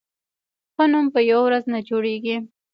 ښه نوم په یوه ورځ نه جوړېږي.